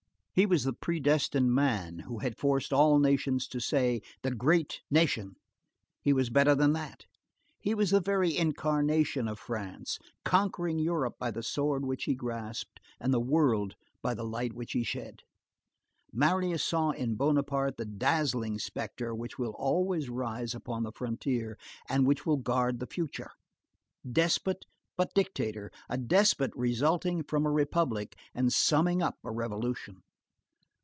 He was the predestined man, who had forced all nations to say: "The great nation!" He was better than that, he was the very incarnation of France, conquering Europe by the sword which he grasped, and the world by the light which he shed. Marius saw in Bonaparte the dazzling spectre which will always rise upon the frontier, and which will guard the future. Despot but dictator; a despot resulting from a republic and summing up a revolution.